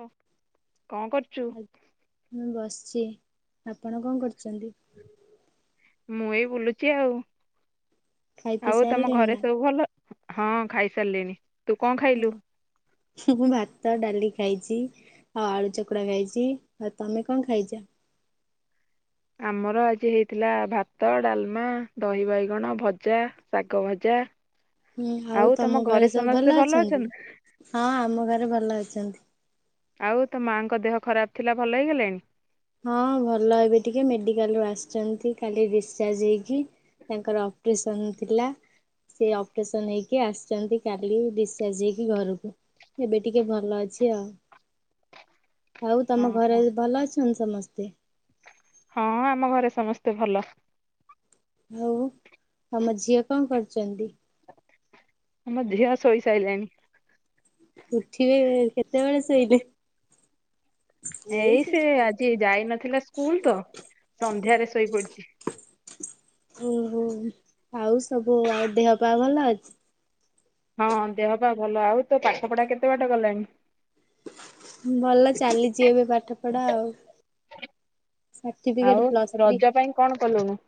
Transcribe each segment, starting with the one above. ଓ, କଣ କରୁଚୁ? ମୁଁ ବସିଛି, ଆପଣ କଣ କରୁଛନ୍ତି? ମୁଁ ଏଇ ବୁଲୁଚି ଆଉ। ଖାଇ ପିଇ ଆଉ ତୋମ ସାରିଲେଣି ଘରେ ନା? ସବୁ ଭଲ? ହଁ ଖାଇସାରିଲିଣି। ତୁ କଣ ଖାଇଲୁ? ହଁ ମୁଁ ଭାତ, ଡାଲି ଖାଇଛି। ଆଉ ଆଳୁ ଚକୁଡା ଖାଇଛି। ଆଉ ତୋମେ କଣ ଖାଇଛ? ଆମର ଆଜି ହେଇଥିଲା ଭାତ, ଡାଲମା, ଦହି ବାଇଗଣ, ଭଜା, ଶାଗ ଭଜା। ଆଉ ତୋମ ଘରେ ସମସ୍ତେ ଭଲ ଅଛନ୍ତି? ହଁ ଆମ ଘରେ ଭଲ ଅଛନ୍ତି। ଆଉ ତୋ ମାଆଙ୍କ ଦେହ ଖରାପ ଥିଲା ଭଲ ହେଇଗଲାଣି? ହଁ ଭଲ ଏବେ ଟିକେ ମେଡିକାଲ୍ ରୁ ଆସିଛନ୍ତି କାଲି ଡିସଚାର୍ଜ ହେଇକି। ତାଙ୍କର ଅପରେସନ୍ ଥିଲା। ସେ ଅପରେସନ୍ ହେଇକି ଆସିଛନ୍ତି କାଲି ଡିସଚାର୍ଜ ହେଇକି ଘରକୁ। ଏବେ ଟିକେ ଭଲ ଅଛି ଆଉ। ଆଉ ତୋମ ଘରେ ଓହୋ। ଭଲ ଅଛନ୍ତି ସମସ୍ତେ? ହଁ ଆମ ଘରେ ସମସ୍ତେ ଭଲ। ଆଉ ତୋମ ଝିଅ କଣ କରୁଚନ୍ତି? ଆମ ଝିଅ ଶୋଇସାଇଲାଣି। ଉଠିବେ କେତେବେଳେ ଶୋଇଲେ? ଏଇ ସେ ଆଜି ଯାଇନଥିଲା ସ୍କୁଲ ତ ସନ୍ଧ୍ୟାରେ ଶୋଇପଡ଼ିଛି। ଓହୋ ଆଉ ସବୁ ଆଉ ଦେହ ପା ଭଲ ଅଛି? ହଁ ଦେହ ପା ଭଲ ଆଉ ତୋ ପାଠ ପଢ଼ା କେତେ ବାଟ ଗଲାଣି? ଭଲ ଚାଲିଛି ଏବେ ପାଠ ପଢ଼ା ଆଉ। ସାର୍ଟିଫିକେଟ୍ ଆଉ ପ୍ଲସ୍ ଥ୍ରୀ ରଜ ପାଇଁ କଣ କଲୁଣୁ?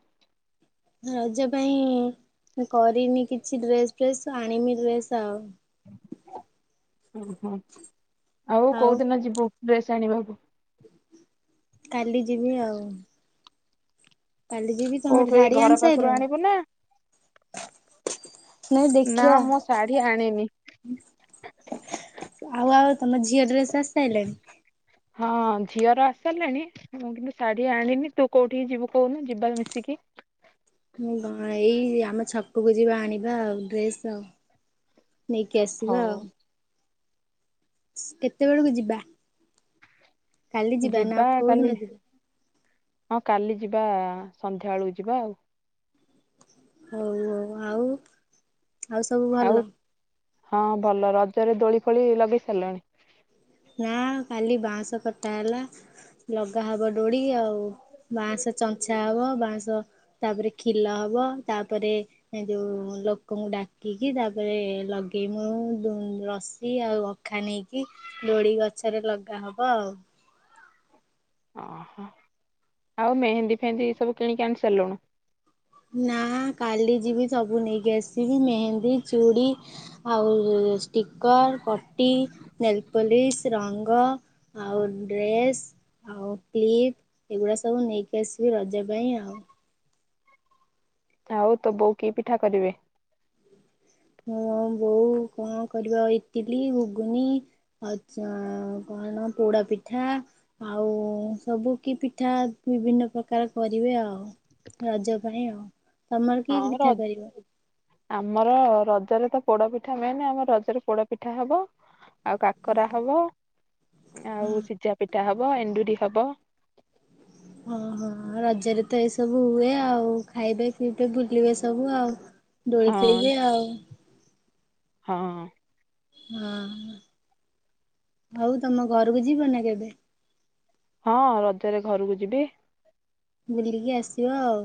ରଜ ପାଇଁ କରିନି କିଛି ଡ୍ରେସ୍ ଫ୍ରେସ୍ ଆଣିବି ଡ୍ରେସ୍ ଆଉ। ଓହୋ ଆଉ କୋଉ ଦିନ ଯିବୁ ଡ୍ରେସ୍ ଆଣିବାକୁ? କାଲି ଯିବି ଆଉ। କାଲି ଯିବି ତମେ କୋଉଠୁ ଏଇ ଶାଢୀ ଆଣି ଘର ପାଖରୁ ସାଇଲଣି? ଆଣିବୁ ନା? ନାଇଁ ନା ଦେଖିବା। ମୁଁ ଶାଢ଼ୀ ଆଣିନି। ଆଉ ଆଉ ତମ ଝିଅ ଡ୍ରେସ୍ ଆସି ସାରିଲାଣି? ହଁ ଝିଅର ଆସିରିଲାଣି ମୁଁ କିନ୍ତୁ ଶାଢ଼ୀ ଆଣିନି ତୁ କୋଉଠିକି ଯିବୁ କହୁନୁ ଯିବା ମିଶିକି? ମୁଁ ଏଇ ଆମ ଛକକୁ ଯିବା ଆଣିବା ଆଉ ଡ୍ରେସ୍ ଆଉ। ନେଇକି ହଉ। ଆସିବା ଆଉ। କେତେ ବଳକୁ ଯିବା କାଲି ଯିବା ନା କୋଉ ଦିନ ଯିବା? ହଁ କାଲି ଯିବା ସନ୍ଧ୍ୟାବେଳକୁ ଯିବା ଆଉ। ହଉ ହଉ ଆଉଆଉ ସବୁ ଭଲ? ଆଉ ହଁ ଭଲ ରଜରେ ଦୋଳି ଫୋଳି ଲଗେଇ ସାରିଲଣି? ନା କାଲି ବାଉଁଶ କଟା ହେଲା ଲଗା ହବ ଡୋଡ଼ି ଆଉ। ବାଁଶ ଚଞ୍ଚା ହବ ବାଁଶ ତାପରେ କ୍ଷିଲ ହବ ତାପରେ। ଯୋଉ ଲୋକଙ୍କୁ ଡାକିକି ତାପରେ ଲଗେଇମୁ ରସି ଆଉ। ଅଖା ନେଇକି ଦୋଳି ଗଛରେ ଲଗା ହବ ଆଉ। ଓହୋ ଆଉ ମେହେନ୍ଦୀ ଫେହେନ୍ଦି ଏ ସବୁ କିଣିକି ଆଣି ସାରିଲୁଣୁ? ନା କାଲି ଯିବି ସବୁ ନେଇକି ଆସିବି ମେହେନ୍ଦୀ, ଚୁଡ଼ି। ଆଉ ଷ୍ଟିକର, ପଟି, ନେଲ୍ ପଲିସ୍, ରଙ୍ଗ ଆଉ ଡ୍ରେସ୍ ଆଉ କ୍ଲିପ୍ ଏଗୁଡ଼ା ସବୁ ନେଇକି ଆସିବି ରଜ ପାଇଁ ଆଉ। ଆଉ ତ ବୋଉ କି ପିଠା କରିବେ? ମୋ ବୋଉ କଣ କରିବ ଇଟିଲି, ଘୁଗୁନି ଆଚ୍ଛା କଣ ପୋଡ଼ା ପିଠା। ଆଉ ସବୁ କି ପିଠା ବିଭିନ୍ନ ପ୍ରକାର କରିବେ ଆଉ। ରଜ ପାଇଁ ଆଉ, ତମର କି ହଁ ର ପିଠା କରିବ? ଆମର ରଜରେ ତ ପୋଡ଼ପିଠା ମେନ୍ ଆମର ରଜରେ ପୋଡ଼ପିଠା ହବ। ଆଉ କାକରା ହବ ଆଉ ସିଝା ପିଠା ହବ ଏଣ୍ଡୁରି ହବ। ଓହୋ ରଜରେ ତ ଏଇସବୁ ହୁଏ ଆଉ ଖାଇବେ ପିଇବେ ବୁଲିବେ ସବୁ ଆଉ। ଦୋଳି ହଁ ଖେଳିବେ ଆଉ। ହଁ। ହଁ ଆଉ ତମ ଘରକୁ ଯିବ ନା କେବେ? ହଁ ରଜରେ ଘରକୁ ଯିବି। ବୁଲିକି ଆସିବ ଆଉ,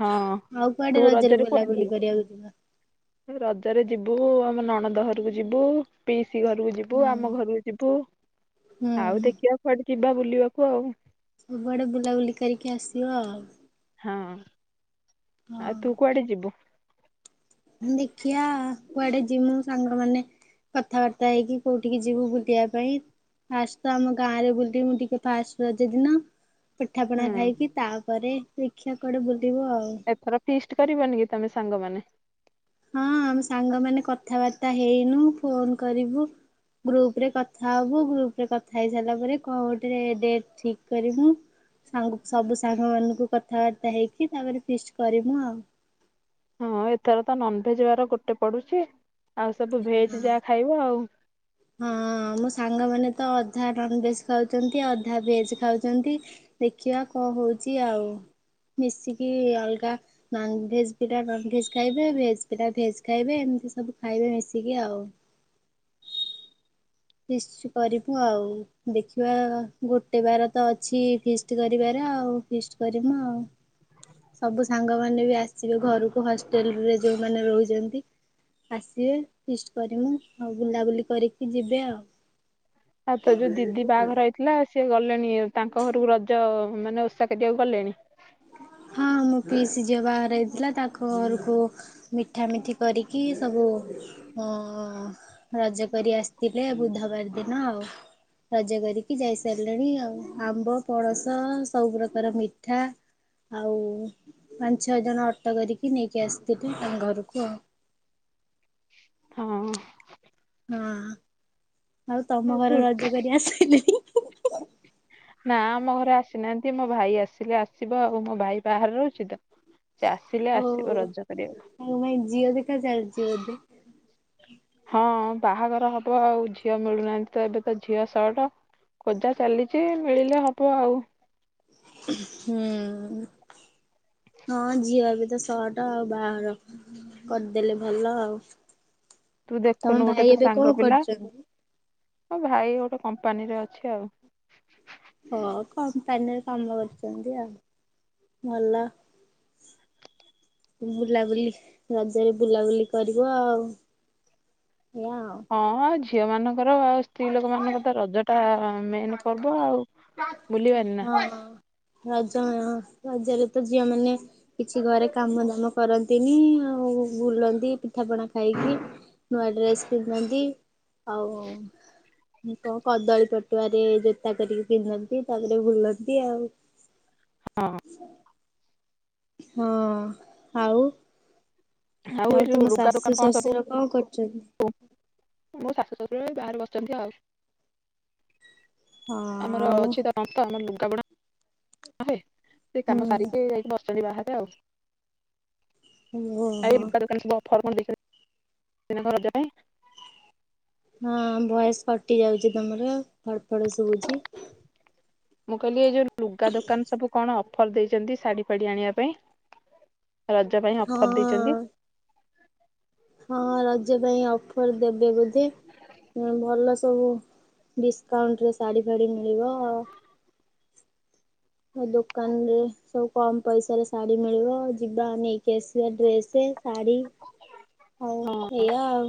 ହଁ ଆଉ ତୁ କୁଆଡ଼େ ରଜରେ କୁଆଡେ ଯିବୁ ବୁଲାବୁଲି କରିବାକୁ ଯିବ? ରଜରେ ଯିବୁ ଆମ ନଣନ୍ଦ ଘରକୁ ଯିବୁ ପିଇସି ଘରକୁ ଯି ବୁ ହୁଁ ଆମ ଘରକୁ ଯିବୁ ଆଉ ହୁଁ ଦେଖିବା କୁଆଡ଼େ ଯିବା ବୁଲିବାକୁ ଆଉ। ସବୁଆଡ଼େ ବୁଲାବୁଲି କରିକି ଆସିବ ଆଉ। ହଁ, ଆଉ ହଁ। ତୁ କୁଆଡ଼େ ଯିବୁ? ଦେଖିଆ କୁଆଡେ ଜିମୁ ସାଙ୍ଗମାନେ କଥାବାର୍ତ୍ତା ହେଇକି କୋଉଠିକି ଯିବୁ ବୁଲିବା ପାଇଁ। ଫାଷ୍ଟ ତ ଆମ ଗାଁ ରେ ବୁଲିବି ମୁଁ ଟିକେ ଫାଷ୍ଟ ରଜଦିନ। ପିଠା ପଣା ହଁ ଖାଇକି ତାପରେ ଦେଖିଆ କୁଆଡେ ବୁଲିବୁ ଆଉ। ଏଥର ଫିଷ୍ଟ କରିବନି କି ତମେ ସାଙ୍ଗମାନେ? ହଁ ଆମ ସାଙ୍ଗମାନେ କଥାବାର୍ତ୍ତା ହେଇନୁ ଫୋନ କରିବୁ। ଗ୍ରୁପ୍ ରେ କଥା ହବୁ ଗ୍ରୁପରେ କଥା ହେଇ ସାରିଲା ପରେ କୋଉ ଡେଟ୍ ଠିକ୍ କରିବୁ,? ସାଙ୍ଗ ସବୁ ସାଙ୍ଗ ମାନଙ୍କୁ କଥାବାର୍ତ୍ତା ହେଇକି ତାପରେ ଫିଷ୍ଟ କରିମୁ ଆଉ। ହଁ ଏଥର ତ ନନଭେଜ ବାର ଗୋଟେ ପଡୁଚି, ଆଉ ସବୁ ଭେଜ୍ ଯାହା ଖାଇବ ଆଉ। ହଁ ମୋ ସାଙ୍ଗମାନେ ତ ଅଧା ନନ୍ ଭେଜ୍ ଖାଉଚନ୍ତି ଅଧା ଭେଜ୍ ଖାଉଚନ୍ତି। ଦେଖିବା କଣ ହଉଚି ଆଉ ମିଶିକି ଅଲଗା ନନ୍ ଭେଜ୍ ପିଲା ନନ୍ ଭେଜ୍ ଖାଇବେ ଭେଜ୍ ପିଲା ଭେଜ୍ ଖାଇବେ, ଏମିତି ସବୁ ଖାଇବେ ମିଶିକି ଆଉ। ଫିଷ୍ଟ କରିବୁ ଆଉ, ଦେଖିବା ଗୋଟେ ବାର ତ ଅଛି ଫିଷ୍ଟ କରିବାର ଆଉ। ଫିଷ୍ଟ କରିମୁ ଆଉ। ସବୁ ସାଙ୍ଗମାନେ ବି ଆସିବେ ଘରକୁ ହଷ୍ଟେଲରେ ଯୋଉମାନେ ରହୁଚନ୍ତି। ଆସିବେ ଫିଷ୍ଟ କରିମୁୁ ଆଉ ବୁଲାବୁଲି କରିକି ଯିବେ ଆଉ। ଆଉ ତୋ ଯୋଉ ଦିଦି ବାହାଘର ଥିଲା ସିଏ ଗଲେଣି ତାଙ୍କ ଘରକୁ ରଜ ମାନେ ଓଷା କରିବାକୁ ଗଲେଣି। ହଁ ମୋ ପିଇସିି ଝିଅ ବାହାଘର ହେଇଥିଲା ତାଙ୍କ ଘରକୁ ମିଠା ମିଠି କରିକି ସବୁ ହଁ ରଜ କରି ଆସିଥିଲେ ବୁଧବାର ଦିନ ଆଉ। ରଜ କରିକି ଯାଇସାରିଲେଣି ଆଉ ଆମ୍ବ, ପଣସ ସବୁପକାର ମିଠା ଆଉ ପାଞ୍ଚ ଛଅ ଜଣ ଅଟୋ କରିକି ନେଇକି ଆସିଥିଲେ ତାଙ୍କ ଘରକୁ ଆଉ। ହଁ। ହଁ ଆଉ ତମ ଘର ରଜ କରି ଆସିଲ? ନା ଆମ ଘରେ ଆସିନାହାନ୍ତି ମୋ ଭାଇ ଆସିଲେ ଆସିବ ଆଉ ମୋ ଭାଇ ବାହାରେ ରହୁଚି ତ? ସେ ଆସିଲେ ଆସିବ ରଜ କରିଆକୁ। ତାଙ୍କ ପାଇଁ ଝିଅ ଦେଖା ଚାଲିଚି ବୋଧେ? ହଁ ବାହାଘର ହବ ଆଉ ଝିଅ ମିଳୁନାହାନ୍ତି ତ ଏବେ ତ ଝିଅ ସର୍ଟ ଖୋଜା ଚାଲିଚି ମିଳିଲେ ହବ ଆଉ। ହୁଁ। ହଁ ଝିଅ ଏବେ ତ ଶଟ ଆଉ ବାହାଘର କରିଦେଲେ ଭଲ ଆଉ। ତୁ ତମ ଦେଖୁନୁ ଗୋଟେ ଭାଇ ତୋ ଏବେ କଣ ସାଙ୍ଗ ପିଲା। କରୁଛନ୍ତି? ମୋ ଭାଇ ଗୋଟେ କମ୍ପାନୀରେ ଅଛି ଆଉ ହଁ କମ୍ପାନୀରେ କାମ କରୁଛନ୍ତି ଆଉ ଭଲ। ବୁଲାବୁଲି ରଜରେ ବୁଲାବୁଲି କରିବ ଆଉ ଏଇଆ ଆଉ ହଁ ଆ ଝିଅ ମାନଙ୍କର ଆଉ ସ୍ତ୍ରୀ ଲୋକ ମାନଙ୍କର ତ ରଜ ଟା ମେନ୍ ପର୍ବ ଆଉ। ବୁଲିବାନି ନା ହଁ ରଜ ରଜରେ ତ ଝିଅ ମାନେ କିଛି ଘରେ କାମ ଦାମ କରନ୍ତିନି ଆଉ ବୁଲନ୍ତି ପି ଠାପଣା ଖାଇକି ନୂଆ ଡ୍ରେସ୍ ପିନ୍ଧନ୍ତି ଆଉ ହୁଁ କଣ କଦଳୀ ପଟୁଆରେ ଜୋତା କରିକି ପିନ୍ଧନ୍ତି? ତାପରେ ବୁଲନ୍ତି ଆଉ ହଁ। ହଁ ଆଉ। ଆଉ ଏ ତମ ଯଉ ଲୁଗା ଶାଶୁ ଦୋକାନ କଣ ସବୁ। ଶ୍ୱଶୁର କଣ କରୁଛନ୍ତି? ମୋ ଶାଶୁ ଶସୁର ଏଇ ବାହାରେ ବସିଛନ୍ତି ଆଉ ହଁ ଆମର ଆଉ ଅଛି ତ ତନ୍ତ ଆମର ଲୁଗା ବୁଣା ହୁଏ ସେ କାମ ହୁଁ ସାରିକି ଯାଇକି ବସଛନ୍ତି ବାହାରେ ଆଉ। ଆଉ ଓହୋ। ଲୁଗା ଦୋକାନ ସବୁ ଫର୍ ରଜ ପାଇଁ। ହଁ ଭୟସ କଟି ଯାଉଛି ତମର ଫଡ ଫଡ ଶଭୁଛି। ମୁଁ କହିଲି ଏଇ ଯୋଉ ଲୁଗା ଦୋକାନ ସବୁ କଣ ଅଫର ଦେଇଛନ୍ତି ଶାଢୀ ଫାଢୀ ଆଣିବା ପାଇଁ। ରଜ ପାଇଁ ଅଫର ହଁ ଦେଇଛନ୍ତି। ହଁ ରଜ ପାଇଁ ଅଫର ଦେବେ ବୋଧେ ଭଲ ସବୁ। ଡିସକାଉଣ୍ଟରେ ଶାଢ଼ୀ ଫାଢ଼ ମିଳିବ ଆଉ। ମୋ ଦୋକାନ ରେ ସବୁ କମ ପଇସାରେ ଶାଢ଼ୀ ମିଳିବ ଯିବା ନେଇକି ଆସିବା ଡ୍ରେସ ଶାଢ଼ୀ। ହଉ ହଁ ଏଇଆ ଆଉ।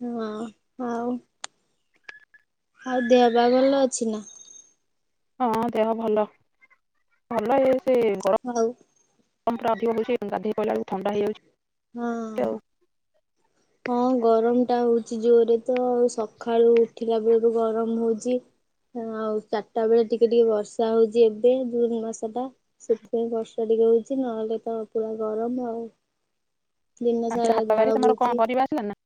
ହଁ ଆଉ। ଆଉ ଦେହ ପା ଭଲ ଅଛି ନା। ହଁ ଦେହ ଭଲ ଭଲ ଇଏ ସେ ଘ ହଉ। ଗରମ ପୁରା ଅଧିକ ହଉଛି ଗାଧୋଇ ପଇଲା ବେଲକୁ ଥଣ୍ଡା ହେଯାଉଛି। ହଁ। ହଁ ଗରମ ଟା ହଉଛି ଜୋରେ ତ ଆଉ ସକାଳୁ ଉଠିଲା ବେଳରୁ ଗରମ ହଉଛି। ଆଉ ଚାରିଟା ବେଳେ ଟିକେ ଟିକେ ବର୍ଷା ହଉଛି ଏବେ ଜୁନ ମାସ ଟା। ସେଥିପାଇଁ ବର୍ଷା ଟିକେ ହଉଛି ନହେଲେ ତ ପୁରା ଗରମ ଆଉ। ଦିନ ଆଜି ପା ସାରା ହାଟ ବାରି ଝାଳ ତମର ବହୁଛି। କଣ ପରିବା ଆସିଲାନି ନା।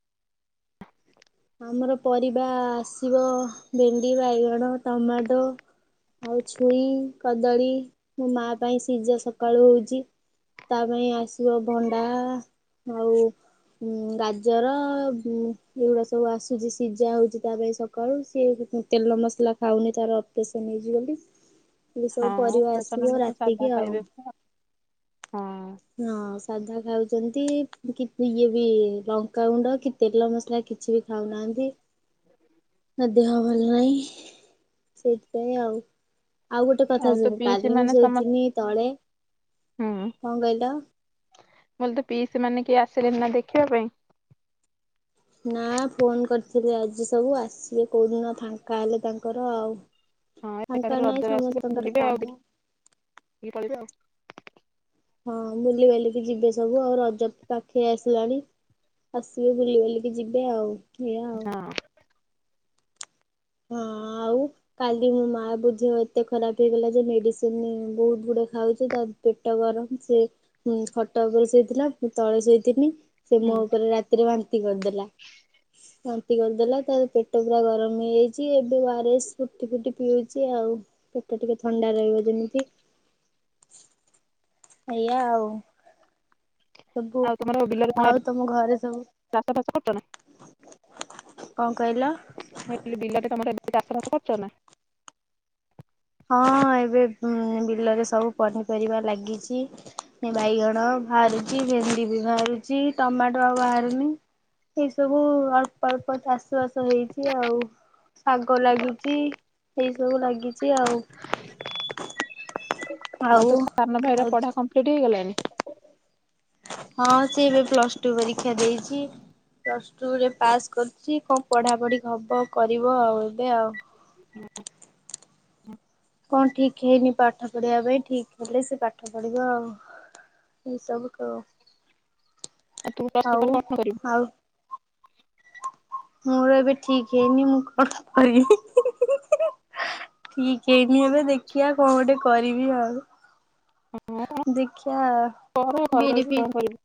ଆମର ପରିବା ଆସିବ ଭେଣ୍ଡି ବାଇଗଣ ଟମାଟୋ ଆଉ ଛୁଇଁ କଦଳୀ ମୋ ମା ପାଇଁ ସିଯା ସକାଳୁ ହଉଛି। ତା ପାଇଁ ଆସି ଆସିବ ଭଣ୍ଡା ଆଉ ଗାଜର ଏଗୁରା ସବୁ। ସବୁ ଆସୁଛି ସିଝା ହଉଛି ତା ପାଇଁ ସକାଳୁ ସିଏ ତେଲ ମସଲା ଖାଉନି ତାର ଅପରେସନ୍ ହେଇଛି ବୋଲି। ଏ ସବୁ ହଁ ପରିବା ଅପରେସନ ଆସିବ ହେଲେ ତ ସାଧା ରାତିକି ଆଉ ଖାଇବେ ତ ହଁ। ହଁ ସାଧା ଖାଉଛନ୍ତି ଇଏ ବି ଲଙ୍କାଗୁଣ୍ଡ ତେଲ ମସଲା କିଛି ବି ଖାଉନାହାନ୍ତି। [inaudible] ତା ଦେହ ଭଲ ନାହିଁ ସେଇଥିପାଇଁ ଆଉ। ଆଉ ଗୋଟେ କଥା ତ ଶୁଣ ପିଇସି କାଲି ମୁ ମାନେ ସମସ୍ତେ ଶୋଇଥିଲି ତଳେ। ହୁଁ। କଣ କହିଲ? ମୁଁ କହିଲି ତୋ ପିଇସି ମାନେ କିଏ କଣ ଆସିଲେନି ନା ଦେଖିବା ପାଇଁ। ନା ଫୋନ କରିଥିଲି ଆଜି ସବୁ ଆସିବେ କୋଉଦିନ ଫାଙ୍କା ହେଲେ ତାଙ୍କର ଆଉ। ହଁ ଏକଥରେ ଫାଙ୍କା ନାହିଁ ରଜରେ ଆସିବେ ସମସ୍ତଙ୍କର ବୁଲିବେ ଆଉ କାମ। ଟିକେ ଦେଖିକି ପଳେଇବେ ଆଉ। ହଁ ବୁଲି ବାଲିକି ଯିବେ ସବୁ ଆଉ ରଜ ତ ପାଖେଇ ଆସିଲାଣି। ଆସିବେ ବୁଲି ବାଲିକି ଯିବେ ଆଉ ଏଇଆ ଆଉ। ହଁ ହଁ ଆଉ। କାଲି ମୋ ମାଆ ବୁଝି ଏତେ ଖରାପ ହେଇଗଲା ଯେ ମେଡିସିନ ବହୁତ ଗୁଡଏ ଖାଉଛି ତା ଦେହ ପେଟ ଗରମ ସେ ଖଟ ଉପରେ ସୋଇଥିଲା ମୁ ତଳେ ଶୋଇଥିନି। ସେ ମୋ ହୁଁ ଉପରେ ରାତିରେ ବାନ୍ତି କରିଦେଲା। ବାନ୍ତି କରିଦେଲା ତାର ପେଟ ପୁରା ଗରମ ହେଇଯାଇଛି। ଛି ଏବେ ଓ ଆର୍ ଏସ୍ ଫୁଟି ଫୁଟି ପିଉଛି ଆଉ ପେଟ ଟିକି ଥଣ୍ଡା ରହିବ ଯେମିତି। ଏଇଆ ଆଉ। ସବୁ ଆଉ ତମର ବିଲରେ କଣ ଏବେ ଆଉ ତମ ଘରେ ସବୁ? ଚାଷ ବାସ କରୁଚ ନା? କଣ କହିଲ? ହେ ବିଲା ଟେ ତମର ଏବେ ଚାଷବାସ କରୁଛ ନା? ହଁ ଏବେ ଉଁ ବିଲରେ ସବୁ ପନିପରିବା ଲାଗିଛି। ବାଇଗଣ ବାହାରୁଛି ଭେଣ୍ଡି ବି ବାହାରୁଛି ଟମାଟୋ ଆଉ ବାହାରୁନି। ଏଇ ସବୁ ଅଳ୍ପ ଅଳ୍ପ ଚାଷ ବାସ ହେଇଛି ଆଉ। ଶାଗ ଲାଗିଛି ଏଇ ସବୁ ଲାଗିଛି। ତି ଆଉ। ଆଉ ତୋ ସାନ ଭାଇର ଆଉ ପଢା କମ୍ପ୍ଲିଟ ହେଇଗଲାଣିି? ହଁ ସିଏ ଏବେ ପ୍ଲସ ଟୁ ପରୀକ୍ଷା ଦେଇଛି। ପ୍ଲସ୍ ଟୁରେ ପାସ୍ କରିଛି କଣ ପଢାପଢ଼ି ହବ କରିବ ଆଉ ଏବେ ଆଉ। [unintelligible] କଣ ଠିକ ହେଇନି ପାଠ ପଢିବା ପାଇଁ ଠିକ ହେଲେ ସେ ପାଠ ପଢିବ ଆଉ। ଏଇ ସବୁ କ ଆଉ ତୁ [unintelligible] କଣ କରିବୁ? ଆଉ ମୋର ଏବେ ଠିକ ହେଇନି ମୁଁ କଣ କରିବି [unintelligible] ଠିକି ହେଇନି ଏବେ ଦେଖିଆ କଣ ଗୋଟେ କରିବି ଆଉ। ହଁ ଦେଖିଆ କର ଘରେ ବିଡ଼ି ରହିକି ଫିଡି କଣ କରିବୁ।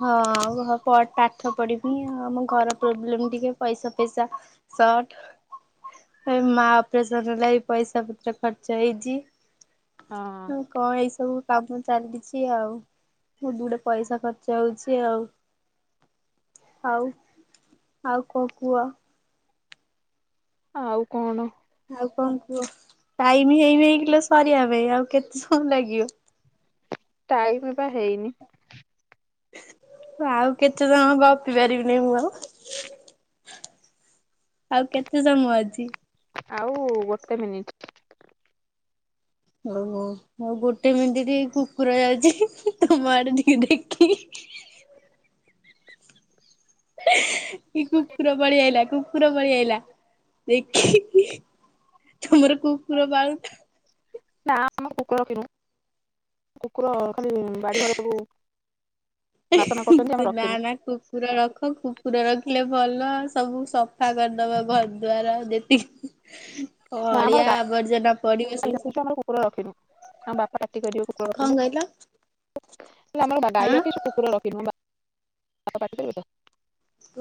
ହଁ ଘ ପ ପାଠ ପଢିବି ଆମ ଘର ପ୍ରୋବ୍ଲେମ ଟିକେ ପଇସା ଫଇସା ସଟ୍। ଏ ମା ଅପରେସନ ହେଲା ବି ପଇସା ପତ୍ର ଖର୍ଚ୍ଚ ହେଇଛି। ହଁ। କଣ ଏଇ ସବୁ କାମ ଚାଲିଛି ଆଉ ମୁଁ ଗୁଡେ ପଇସା ଖ ଯାଉଛି ଆଉ ଆଉ ଆଉ କଣ କୁହ? ଆଉ କଣ? ଆଉ କଣ କୁହ ଟାଇମି ହେଇନେଇ କିଲୋ ସରିବା ପାଇଁ ଆଉ କେତେ ସମୟ ଲାଗିବ? ଟାଇମି ପା ହେଇନି। ଆଉ କେତେସମ ଗପି ପାରିବିନି ମୁଁ ଆଉ। ଆଉ କେତେ ସମ ଅଛି? ଆଉ ଗୋଟେ ମିନିଟ୍। ଓହୋ ଆଉ ଗୋଟେ ମିଣ୍ଟି ଟିକେ କୁକୁର ଯାଉଛି ତମ ଆଡେ ଟିକେ ଦେଖିକି। କି କୁକୁର ପଳିଆଇଲା କୁକୁର ପଳିଆଇଲା। ଦେଖି ତମର କୁକୁର ପାଉନ ନା ଆମର କୁକୁର ରଖିନୁ କୁକୁର ଖାଲି ବାଡିଘରେ ସବୁ ନାଟନା କରୁଛନ୍ତି ତୁ ଆମେ ନା ରଖିନୁ ନା କୁ କୁକୁୁର ରଖ କୁକୁର ରଖିଲେ ଭଲ ସବୁ ସଫା କରିଦବ ଘର ଦ୍ଵାର ଯେତିକି। ନା ଆମର ଅଳିଆ ଆବର୍ଜନା ପଡିବ ଗାଈ ସବୁ ସ ରଖିଛୁ ଆମର କୁକୁର ରଖିନୁ ଆମ ବାପା ପାଟି କରିବେ କୁକୁର କଣ କହିଲ ରଖିଲେ ଆମର ବା ଗାଇ ହଁ ରଖିଛୁ କୁ କୁକୁର ରଖିନୁ ଆମ ବା ପା ପାଟି କରିବେତ।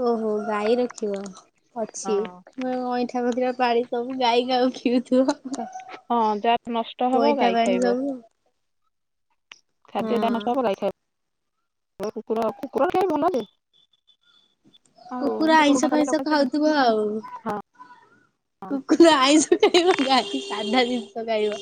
ଓହୋ ଗାଈ ରଖିବ ଅଛି। ହଁ ଅଇଁଠା ପଖିରା ପାଣି ସବୁ ଗାଈ ଖାଉ ପିଉଥିବ। ହଁ ଯାହା ନଷ୍ଟ ହବ ଅଇଁଠା ଗାଈ ପାଣି ଖାଇବ। ସବୁ ଖାଦ୍ୟ ଦାନା ହଁ ସବ ଖାଇ ଖାଇ କୁ କୁକୁର ଖାଇ ଭଲ ଯେ କୁକୁର ଆଇଁଷ ଫାଇଁଷ ଆଉ ଖାଉଥିବ ଆଉ। କୁକୁର ଆଇଁଷ ଖାଇବ କା ସାଧା ଜିନିଷ ଖାଇବ।